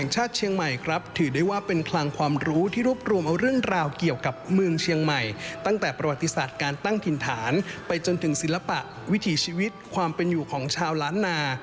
จึงศิลปะวิธีชีวิตความเป็นอยู่ของชาวล้านนา